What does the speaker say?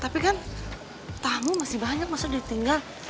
tapi kan tamu masih banyak masih udah tinggal